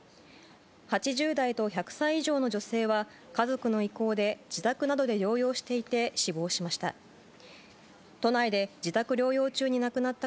８０代と１００歳以上の女性は家族の意向で自宅などで療養していて死亡しました。